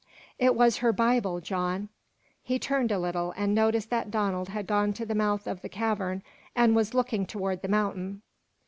"It was her Bible, John!" He turned a little, and noticed that Donald had gone to the mouth of the cavern, and was looking toward the mountain.